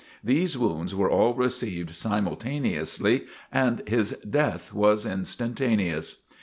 These wounds were all received simultaneously and his death was instantaneous.